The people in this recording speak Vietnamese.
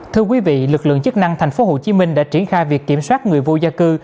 thưa quý vị lực lượng chức năng thành phố hồ chí minh đã triển khai việc kiểm soát người vô gia cư